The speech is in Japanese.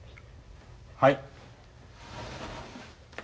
はい。